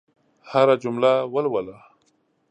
هره جمله ولوله.